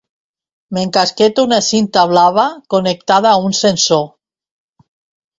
M'encasqueto una cinta blava connectada a un sensor.